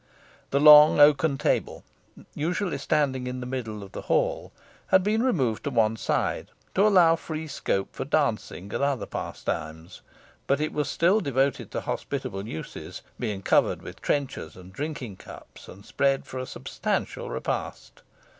The long oaken table, usually standing in the middle of the hall, had been removed to one side, to allow free scope for dancing and other pastimes, but it was still devoted to hospitable uses, being covered with trenchers and drinking cups, and spread for a substantial repast.